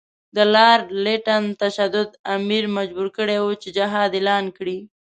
د لارډ لیټن تشدد امیر مجبور کړی وو چې جهاد اعلان کړي.